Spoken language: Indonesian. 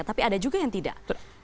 tapi ada juga yang tidak